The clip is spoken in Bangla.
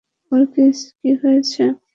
ওর কী হয়েছে?